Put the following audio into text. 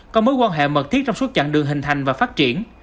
có mối quan hệ mật thiết trong suốt chặng đường hình thành và phát triển